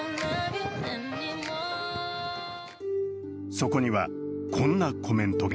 そこには、こんなコメントが。